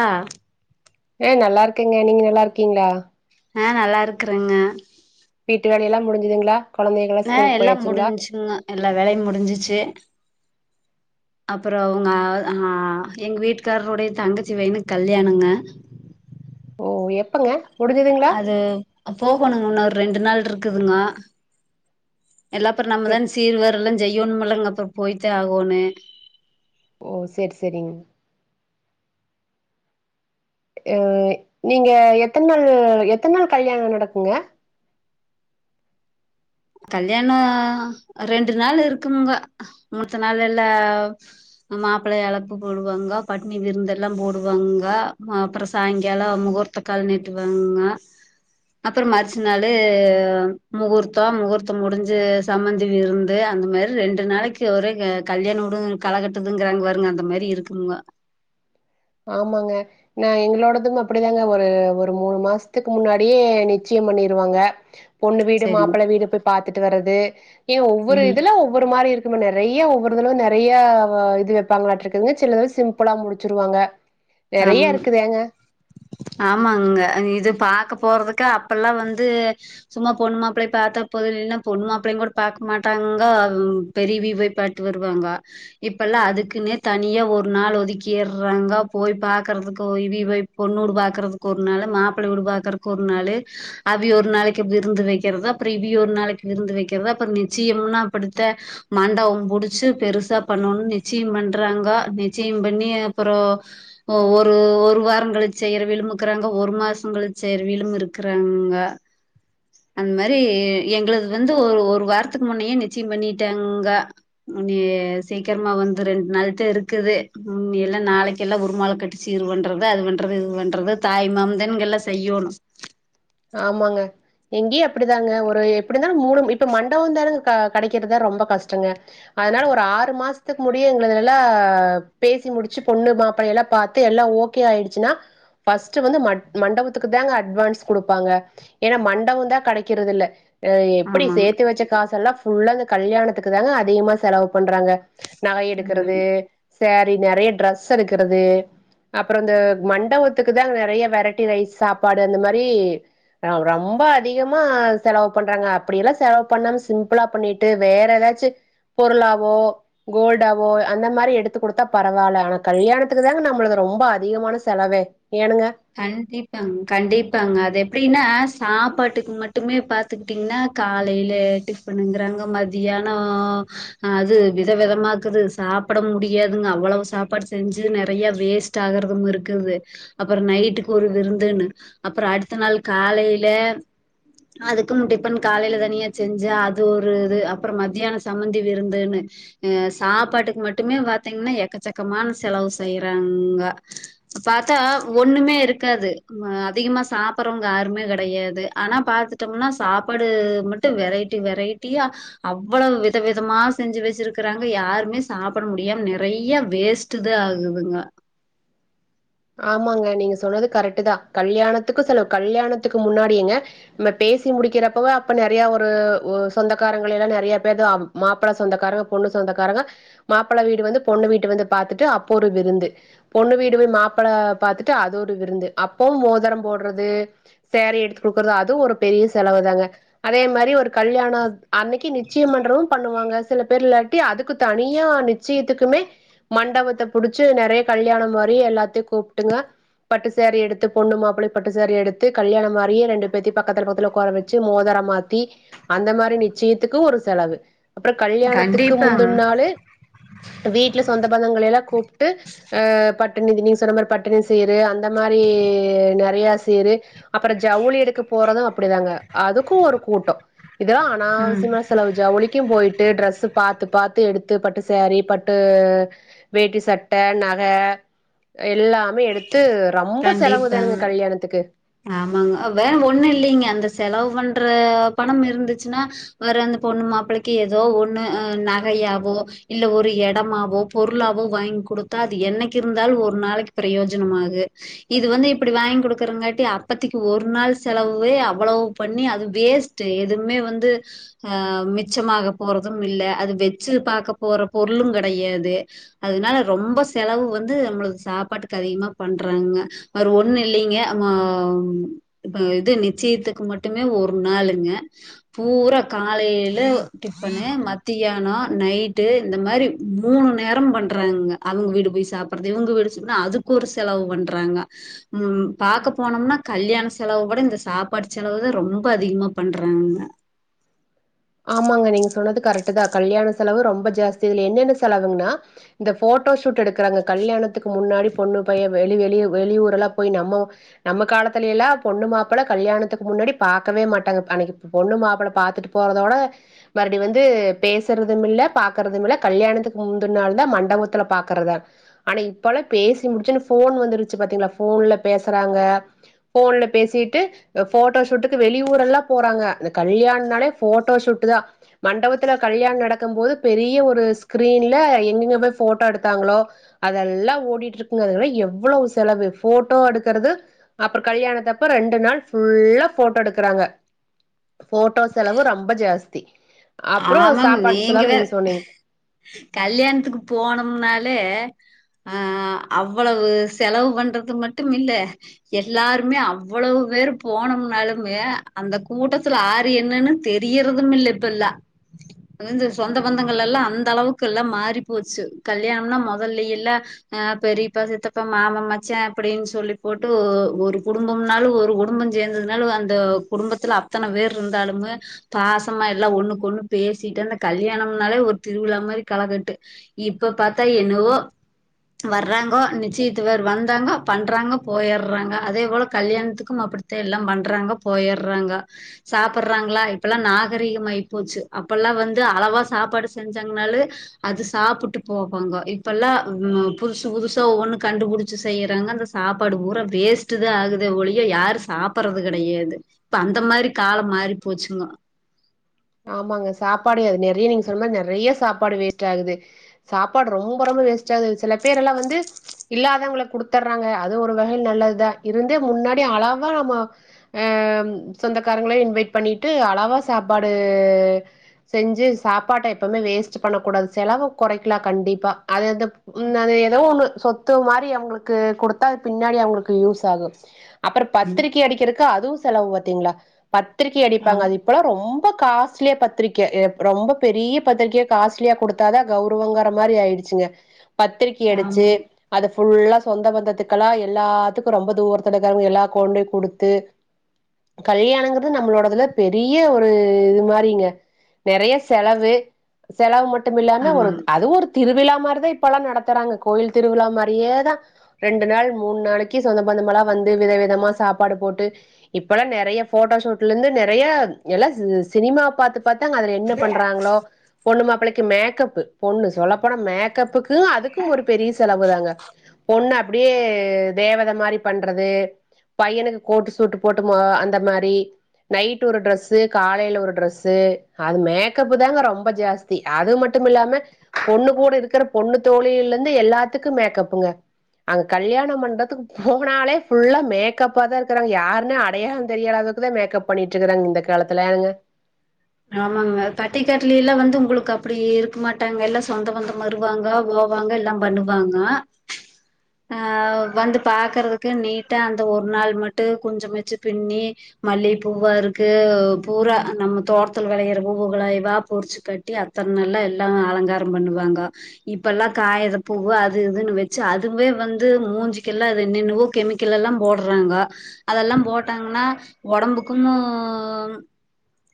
ஆ அஹ் நல்லா இருக்கேங்க நீங்க நல்லா இருக்கீங்களா ஆஹ் நல்லா இருக்குறேங்க வீட்டுவேலை எல்லா முடிஞ்சதுங்களா ஆஹ் எல்லா முடிஞ்சுங்க எல்லா வேலையு முடிஞ்சிச்சு அப்புற உங்க அஹ் எங்க வீட்டுக்காரருடைய தங்கச்சி பையனுக்கு கல்யாணங்க ஓ எப்பங்க முடுஞ்சுதுங்களா போகணும்ங்க இன்னு ஒரு ரெண்டு நாள் இருக்குதுங்க எல்லாப்பற நம்ம தா செரி சீர் வரல செய்யணுமல்லங்க அப்புற போயிதா ஆகணும் ஓ சேரி செரிங் ஏ நீங்க எத்தன்நள்ளு எத்தன் நாள் கல்யாண நடக்குங்க கல்யாண ரெண்டு நாள் இருக்கும்ங்க மூர்த்த நாள் எல்ல மாப்ளையளப்பு கொடுவாங்க பட்னி விருந்தெல்லா போடுவாங்க ம அப்பு சாய்ங்கால முகூர்த்தக்கால் நீட்டுவாங்க அப்பற மர்ச்சி நாளு முகூர்த்த முகூர்த் த்து முடுஞ்சு சம்மந்தி விருந்து அந்த மேரி ரெண்டு நாளைக்கு ஒரே கு கல்யாண உடு கலகட்டுதுங்குறங்க வருங்க அந்த மேரி இருக்கும்ங்க ஆமாங்க நா எங்ளோடது அப்டிதாங்க ஒரு ஒரு மூணு மாஸ்த்துக் முன்னாடியே நிச்சய பண்ணிருவாங்க பொண்ணு வீடு சரிங்க மாப்பள வீடு போய் பாத்துட்டு வரது ஏ ஒவ்வொரு ம் இதுல ஒவ்வொரு மாரி இருக் கிம்ம நெறைய்ய ஒவ்வொருதுல நெறைய இது வெப்பாங்களாட்ருக்குங்க சில இதுல சிம்புளா முடிச்சிருவாங்க ஆமா நெறைய இருக்குதேங்க ஆமாங்க இது பாக்க போறதுக்கு அப்பல்லா வந்து சும்மா பொண்ணு மாப்பிள்ளைய பாத்தா போது இல்லைன்னா பொண்ணு மாப்பிளையும் கூட பாக்க மாட்டாங்கோ பெரியவிய போய் பாட்டு வருவாங்க இப்ப எல்லா அதுக்குன்னே தனியா ஒரு நாள் ஒதுக்கியறாங்கோ போய் பாக்கறதுக்கு இவிய போய் பொண்ணூடு பாக்கறதுக்கு ஒரு நாளு மாப்பிள்ள வீடு பாக்கறக்கு ஒரு நாளு அவிய ஒரு நாளைக்கு விருந்து வைக்கிறது அப்புறோ இவிய ஒரு நாளைக்கு விருந்து வைக்கிறது அப்புறோ நிச்சயம்னா இப்படித்த மண்டவோ பிடிச்சு பெருசா பண்ணணு நிச்சயம் பண்றாங்க நிச்சயம் பண்ணி அப்புறோ ஒ-ஒரு ஒரு வாரோ கழிச்சி செய்யுரவியலு இக்கிறாங்க ஒரு மாசு கழிச்சி செய்யுரவியலு இருக்கிறாங்க அந்த மாதிரி எங்களது வந்து ஒரு ஒரு வாரத்துக்கு முன்னயே நிச்சயம் பண்ணிட்டாங்க நீ சீக்கிரமா வந்து ரெண்டு நாள் தா இருக்குது ம் எல்லா நாளைக் எல்லா உருமால கட்டி சீர் பண்றது அது பண்றது இது பண்றது தாய்மாமன்தா இங்க எல்லா செய்யோணு ஆமாங்க இங்கயு அப்படிதாங்க ஒரு எப்படி இருந்தாலும் மூணு இப்ப மண்டப தான்ங்க கெ-கெடைக்கிறதுதா ரொம்ப கஷ்டங்க அதனால ஒரு ஆறு மாசத்துக்கு முடிய எங்கள எல்லா பேசி முடிச்சு பொண்ணு மாப்பிள்ளைய எல்லா பாத்து எல்லா ஓகே ஆயிடுச்சுன்னா ஃபஸ்ட் வந்து மட் மண்டபத்துக்கு தாங்க அட்வான்ஸ் குடுப்பாங்க ஏனா மண்டவோ தா கெடைக்குறது இல்ல எ-எப்படி ஆமாங்க சேர்த்து வச்ச காசெல்லா புள்ளங்க கல்யாணத்துக்கு தாங்க அதிகமா செலவு பண்றாங்க நக ஆமாங்க எடுக்குறது சேரி நெறைய ட்ரெஸ் எடுக்குறது அப்புறோ இந்த மண்டபத்துக்கு தாங்க நெறைய வெரைட்டி ரைஸ் சாப்பாடு அந்த மாரி கி ரொ-ரொம்ப அதிகமா செலவு பண்றாங்க அப்படியெல்லா செலவு பண்ணாம சிம்பிளா பண்ணிட்டு வேற எதாச்சி பொருளாவோ கோல்டாவோ அந்த மாரி எடுத்து கொடுத்தா பரவால்ல ஆனா கல்யாணத்துக்கு தாங்க நம்மளகு ரொம்ப அதிகமான செலவே ஏனுங்க கண்டிப் [unintelligible] கண்டிப்பாங்க அது எப்படின்னா சாப்பாட்டுக்கு மட்டுமே பாத்துக்கிட்டீங்கன்னா காலையில டிஃபனுங்கிறாங்க மதியானோ அது வித விதமாக்குது சாப்பிட முடியாதுங்க அவ்ளவு சாப்பாடு செஞ்சு நெறைய வேஸ்ட் ஆகுறதும் இருக்குது அப் அப்புறோ நைட்டுக்கு ஒரு விருந்துன்னு அப்புறோ அடுத்த நாள் காலைல அதுக்குனு டிபன்னு காலையில தனியா செஞ்சு அது ஒரு இது அப்புறோ மதியானோ சம்மந்தி விருந்துன்னு அஹ் சாப்பாட்டுக்கு மட்டுமே பாத்தீங்கன்னா எக்கச்சக்கமான செலவு செய்யறாங்க பாத்தா ஒண்ணுமே இருக்காது ம அதிகமா சாப்புறவங்க யாருமே கெடையாது ஆனா பாத்துட்டோம்னா சாப்பாடு மட்டும் வெரைட்டி வெரைட்டியா அவ்வுளவ் வித விதமா செஞ்சு வச்சிருக்கறாங்க யாருமே சாப்பிட முடியாம நெறைய வேஸ்டுதா ஆகுதுங்க ஆமாங்க நீங்க சொன்னது கரெக்ட்தா கல்யாணத்துக்கு செலவு கல்யாணத்துக்கு முன்னாடியுங்க நம்ம பேசி முடிக்கிறப்பவே அப்ப நெறையா ஒரு ஒ சொந்தக்காரங்கள எல்லா நெறைய பேரு மாப்பிள சொந்தக்காரங்க பொண்ணு சொந்தக்காரங்க மாப்பிள வீடு வந்து பொண்ணு வீட்ட வந்து பாத்துட்டு அப்போ ஒரு விருந்து பொண்ணு வீடு போய் மாப் பிள பாத்துட்டு அது ஒரு விருந்து அப்பவு மோதரொ போடுறது சேறி எடுத்து குடுக்குறது அதுவு ஒரு பெரிய செலவு தாங்க அதே மாரி ஒரு கல்யாணோ அன்னைக்கு நிச்சயோ பண்றவங்களு பண்ணுவாங்க சில பேர் இல்லாட்டி அதுக்கு தனியா நிச்சயத்துக்குமே மண்டபத்த புடிச்சு நெறைய கல்யாணம் மாரி எல்லாத்தையு கூப்ட்டுங்க பட்டு சேரி எடுத்து பொண்ணு மாப்பிள்ளயு பட்டு சேரி எடுத்து கல்யாணோ மாரியே ரெண்டு பேத்தையு பக்கத்துல பக்கத்துல உக்கார வச்சி மோதரோ மாத்தி அந்த மாரி நிச்சயத்துக்கு ஒரு செலவு அப்புற கல்யாணத்துக்கு கண்டிப்பாங்க. முந்தின நாளு வீட்டுல சொந்த பந்தங்கள் எல்லா கூ கூப்ட்டு அஹ் பட்டுநிதி நீங் சொன்ன மாரி பட்டினி சீரு அந்த மாரி நெறைய சீரு அப்புறோ ஜவுளி எடுக்க போறது அப்படிதாங்க அதுக்கு ஒரு கூட்டோ இதுலா ம். அனாவசியமான செலவு ஜவுளிக்கு போய் டு ட்ரெஸ் பாத்து பாத்து எடுத்து பட்டு சேரி பட்டு வேட்டி சட்ட நக எ எல்லாமே எடுத் த்து ரொம்ப செலவு கண்டிப்பாங்க. தானுங்க கல்யாணத்துக்கு ஆமாங்க வேற ஒண்ணு இல்லைங்க அந்த செலவு பண்ற பணம் இருந்துச்சுன்னா வேற அந்த பொண்ணு மாப்பிள்ளைக்கு ஏதோ ஒண்ணு நகையாவோ இல்ல ஒரு எடமாவோ பொருளாவோ வாங்கி குடுத்தா அது என்னைக்கு இருந்தாலு ஒரு நாளைக்கி பிரயோஜனமாகு இது வந்து இப்படி வாங்கி குடுக்குறங்காட் அப்பத்தைக்கி ஒரு நாள் செலவே அவ்வளவு பண்ணி அது வேஸ்ட் எதுவுமே வந்து ஆஹ் மிச்சமாக போறதும் இல்ல அது வெச்சி பாக்க போற பொருளும் கெடையாது அதனால ரொம்ப செலவு வந்து நம்மளுக்கு சாப்பாட்டுக்கு அதிகமா பண்றாங்க வேற ஒண்ணு இல்லைங்க மவ் இப்ப இது நிச்சயத்துக்கு மட்டுமே ஒரு நாளுங்க பூரா காலைல டிஃபனு மத்தியானோ நைட்டு இந்த மாரி மூணு நேரம் பண்றாங்க அவங்க வீடு போய் சாப்பிடுறது இவங்க வீடு சொனா அதுக்கு ஒரு செலவு பண்றாங்க ம் பாக்க போனோம்னா கல்யாண செலவு கூட இந்த சாப்பாடு செலவுதா ரொம்ப அதிகமா பண்றாங்கங்க ஆமாங்க நீங்க சொன்னது கரெக்ட் தா கல்யாண செலவு ரொம்ப ஜாஸ்தி இதுல என்னென்ன செலவுன்னா இந்த போட்டோ ஷூட் எடுக்குறாங்க கல்யாணத்துக்கு முன்னாடி பொண்ணு பைய வெளி-வெளி-வெளியூர் எல்லா போய் நம்ம நம்ம காலத்துல எல்லா பொண்ணு மாப்பிள கல்யாணத்துக்கு முன்னாடி பாக்கவே மாட்டாங்க அன்னைக்கு பொண்ணு மாப்பிள பாத்துட்டு போற தோட மறுவடி வந்து பேசுறதுமில்ல பாக்குறதுமில்ல கல்யாணத்துக்கு முந்தின நாள் தா மண்டவத்தில பாக்குறதா ஆனா இப்பல்லா பேசி முடிச்ச ஒடனே போன் வந்திருச்சு பாத்தீங்களா போன்ல பேசுறாங்க போன்ல பேசிட்டு போட்டோ சூட்டுக்கு வெளியூர் எல்லா போறாங்க அந்த கல்யாணோனாலே போட்டோ சூட் தா மண்டவத்துல கல்யாண் நடக்கும் போது பெரிய ஒரு ஸ்கிரீன்ல எங்கெங்க போய் போட்டோ எடுத்தாங்களோ அதெல்லா ஓடிட்டு இருக்குங்க அதெல்லா எவ்வளவு செலவு போட்டோ எடுக்கிறது அப்புறம் கல்யாணத்தப்ப ரெண்டு நாள் ஃபுல்லா போட்டோ எடுக்குறாங்க போட்டோஸ் செலவு ரொம்ப ஜாஸ்தி ஆமாங்க சாப்பாட்டு நீங்க செலவு வேற சொன்னீங்க கல்யாணத்துக்கு போனம்னாலே ஆ அவ்வளவு செலவு பண்றது மட்டும் இல்ல எல்லாருமே அவ்வளவு பேரு போனோம்னாலுமே அந்த கூட்டத்துல ஆரு என்னன்னு தெரியறதும் இல்ல இப்பல்லா அங்க இருந்து சொந்த பந்தங்கள் எல்லா அந்த அளவுக்கு எல்லா மாறி போச்சு கல்யாணம்னா மொதல்ல எல்லா ஆ பெரியப்பா சித்தப்பா மாமா மச்சா அப்படின்னு சொல்லி போட்டு ஒரு குடும்பம்னாலு ஒரு குடும்பஞ் சேந்ததுனாலு அந்த குடும்பத்துல அத்தன பேரு இருந்தாலுமே பாசமா எல்லா ஒண்ணுக்கு ஒண்ணு பேசிட்டனா கல்யாணம்னாலே ஒரு திருவிழா மாரி களகட்டு இப்ப பாத்தா என்னவோ வர்றாங்கோ நிச்சியத்துவேர் வந்தாங்கோ பண்றாங்கோ போயிறாங்க அதே போல கல்யாணத்துக்கும் அப்பிடித்தே எல்லா பண்றாங்க போயிறாங்க சாப்படுறாங்ளா இப்பல்லா நாகரீகமாயி போச்சு அப்பல்லா வந்து அளவா சாப்பாடு செஞ்சாங்னாலு அது சாப்புட்டு போவாங்கோ இப்பெல்லா ம் புதுஸ் புதுஸ்சா ஒவ்வொண்ணு கண்டுபுடிச்சி செய்யிறாங்க அந்த சாப்பாடு பூரா வேஸ்ட்டுதா ஆகுதே ஒழிய யாரு சாப்புறது கெடையாது ப்ப அந்த மாரி காலம் மாறி போச்சுங்கோ ஆமாங்க சாப்பாடு அது நெறைய நீங்க சொன் மாரி நெறைய சாப்பாடு வேஸ்ட்டாகுது சாப்பாடு ரொம்ப ரொம்ப வேஸ்ட்டாகுது சில பேரல்லா வந்து இல்லாதவங்களுக்கு குடுத்தர்றாங்க அது ஒரு வகையில் நல்லத்தா இருந்து முன்னாடி அளவா நம்ம ஆம் சொந்தக்காரங்களே இன்வைட் பண்ணிட்டு அளவா சாப்பாடு ஏ செஞ்சு சாப்பாட்ட எப்பமே வேஸ்ட் பண்ணக்கூடாது செலவ குறைக்கலா கண்டிப்பா அது இந்த உ அது எதோ ஒண்ணு சொத்து மாரி அவங்களுக்கு குடுத்தா அது பின்னாடி அவங்களுக்கு யூஸ் ஆகு அப்பற ம் பத்திரிகை அடிக்கிறக்கு அதுவு செலவு பாத்தீங்களா பத்திரிகை ஆ அடிப்பாங்க அது இப்பல்லாம் ரொம் ப காஸ்ட்லிய பத்திரிகை ரொம்ப பெரிய பத்திரிகைய காஸ்ட்லியா கொடுத்தாதான் கௌரவங்கர மாரி ஆயிடுச்சுங்க பத்திரிக்கை அடுச்சு ஆமா அத ஃபுல்லா சொந்த பந்தத்துக்கெல்லாம் எல்லாத்துக்கும் ரொம்ப தூரத்துல இருக்கவங்க எல்லா கொன்டு கொடுத்து கல்யாணங்கறது நம்மளோடதுல பெரிய ஒ ஒரு இது மாரிங்க நெறைய செலவு செலவு மட் மட்டும் இல்லாம ஒரு ஆமாங்க அது ஒரு திருவிழா மாரிதான் இப்பல்லாம் நடத்துறாங்க கோயில் திருவிழா மாரியே தான் ரெண்டு நாள் மூணு நாளைக்கு சொந்த பந்தமெல்லாம் வந்து வித விதமா சாப்பாடு போட்டு இப்பல்லாம் நெறைய போட்டோ ஷூட்ல ந்து நெறைய எல்லா சி சினிமாவ பாத் து அதுல என்ன பண்றாங்களோ பொண்ணு மாப் ப்பிளைக்கு மேக்கப் பொண்ணு சொல்லப்போனா மேக்கப்புக் துக்கு ஒரு பெரிய செலவு தாங்க பொண்ண அப் ப்டியே தேவதை மாரி பண்றது பையனுக்கு கோட்டு சூட்டு போட்டுமோ அந்த மாரி நைட் ஒரு ட்ரெஸ் வந்து காலைல ஒரு ட்ரெஸு அது மேக்கப் தாங்க ரொம்ப ஜாஸ்தி அது மட்டும் இல்லாம பொண்ணு கூட இருக்கிற பொண்ணு தோழிலருந்து எல்லாத்துக்கும் மேக்கப்புங்க அங்க கல்யாணம் மண்டத்துக்கு போனாலே ஃபுல்லா மேக்கப்பாதான் இருக்கறாங்க யாருனு அடையாளம் தெரியாதக்தான் மேக்கப் பண்ணிட்டு இருக்கறாங்க இந்த காலத்து லாங்க ஆமாங்க பட்டிக்காட்லைலாம் வந் து உங்களுக்கு அப்டி இருக்க மாட்டாங்கல சொந்த பந்தம் வருவாங்க போவாங்க எல்லா பண்ணுவாங்க அஹ் வந்து பாக்குறதுக்கு நீட்டா அந்த ஒரு நாள் மட்டும் கொஞ்சமச்சு பின்னி மல்லிப் பூவாருக்கு பூரா நம்ம தோட் ட்டத்துல வெளையிற பூகளைவா பொரிச்சு கட்டி அத்த நல்லா எல்லா அலங்காரம் பண்ணுவாங்க இப்பெல்லாம் காயற பூ அது இதுன்னு வச்சு அதுமே வந்து மூஞ்சுக்கெல்லாம் என்ன்னவோ கெமிக்கல்லலாம் போடுறாங்க அதெல்லாம் போட்டாங்கன்னா உடம்புக்கும்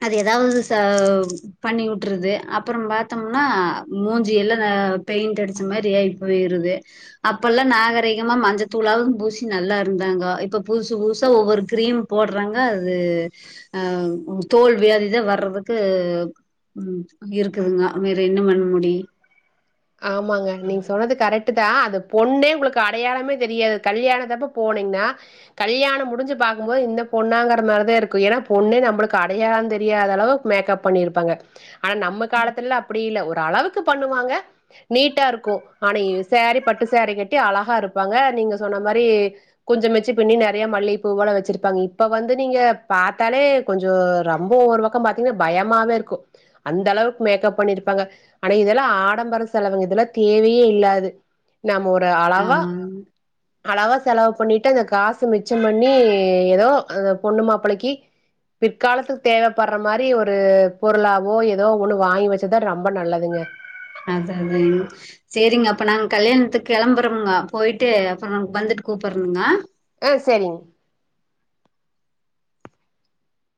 அது எதாவது செ பண்ணி உட்டுருது அப்புறம் பாத்தோம்னா மூஞ்சி எல்லாம் பெயிண்ட் அடிச்ச மாரியே போயிருது அப்பல்லாம் நாகரீகமா மஞ்சத்தூளாவும் பூசி நல்லா இருந்தாங்கோ இப்ப புதுசு புதுசா ஒவ்வொரு கிரீம் போட்றாங்க அது ஆஹ் தோல் வியா இத வர்றதுக்கு ம் இருக்குதுங்க வேற என்ன பண்ண முடி ஆமாங்க நீங்க சொன்னது கரெக்ட் தான் அது பொண்ணே உங்களுக்கு அடையாளமே தெரியாது கல்யாண தப்ப போனீங்கன்னா கல்யாணம் முடிஞ்சு பா்க்கும் போது இந்த பொண்ணாங்கிற மாரிதான் இருக்கும் ஏன்னா பொண்ணே நம்மளுக்கு அடையாளம் தெரியாத அளவுக்கு மேக்கப் பண்ணிருப்பாங்க ஆனா நம்ம காலத்துல அப்டி இல்ல ஒரு அளவுக்கு பண்ணுவாங்க நீட்டா இருக்கும் ஆனை சேரீ பட்டு சேரீ கட்டி அழகா இருப்பாங்க நீங்க சொன்ன மாரி கொஞ்சமெச்சு பின்னி நெறைய மல்லிப்பூ போல வச்சிருப்பாங்க இப்ப வந்து நீங்க பாாத்தாலே கொஞ்சம் ரொம்ப ஒரு பக்கம் பாத்தீங்கன்னா பயமாவே இருக்கும் அந்த அளவுக்கு மேக்கப் பண்ணிருப்பாங்க ஆனா இதெல்லாம் ஆடம்பர செலவுங்க இதெல்லாம் தேவையே இல்லாது நம்ம ஒரு அளவா ஆமாங்க அளவா செலவு பண்ணிட்டு அந்த காசு மிச்சம் பண்ணி ஏதோ அந்த பொண்ணு மாப்பிளைைக்கு பிற்காலத்துக்கு தேவைப்படுற மாரி ஒரு பொருளாவோ ஏதோ ஒண்ணு வாங்கி வச்சதா ரொம்ப நல்லதுங்க அதான் அதன் செரிங்க அப்போ நாங்க கல்யாணத்துக்கு கிளம்புறோங்க போயிட்டு அப்றம் வந்துட்டு கூப்டறனங்க ஆ செரிங்க